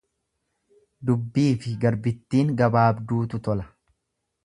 Dubbiifi garbittiin gabaabduutu tola.